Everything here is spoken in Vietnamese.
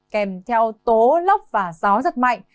kèm theo tố lóc và gió rất mạnh